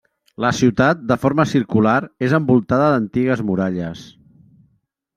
La ciutat, de forma circular, és envoltada d'antigues muralles.